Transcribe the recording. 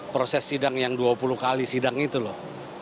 proses sidang yang dua puluh kali sidang itu loh